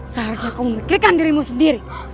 seharusnya kau memiliki dirimu sendiri